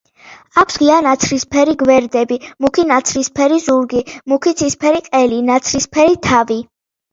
აქვს ღია ნაცრისფერი გვერდები, მუქი ნაცრისფერი ზურგი, მუქი ცისფერი ყელი, ნაცრისფერი თავი.